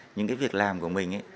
những việc làm của mình